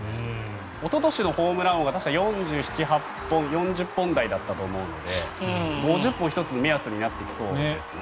おととしのホームラン王が４０本台だと思うので５０本は１つの目安になってきそうですね。